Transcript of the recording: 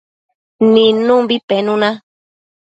nidnumbi penuna